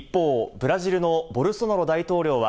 ブラジルのボルソナロ大統領は、